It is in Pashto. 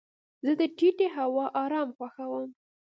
زه د ټیټې هوا ارام خوښوم.